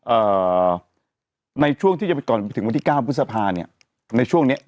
เอ่อในช่วงที่จะไปก่อนไปถึงวันที่เก้าพฤษภาเนี้ยในช่วงเนี้ย